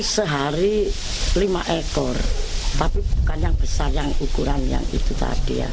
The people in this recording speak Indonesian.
saya sayang ukuran yang itu tadi ya